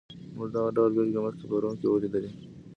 موږ دغه ډول بېلګې مخکې په روم کې ولیدلې.